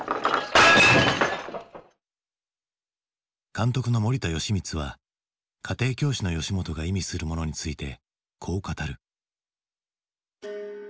監督の森田芳光は家庭教師の吉本が意味するものについてこう語る。